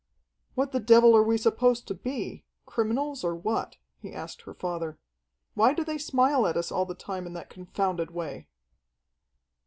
"What the devil are we supposed to be, criminals or what?" he asked her father. "Why do they smile at us all the time in that confounded way?"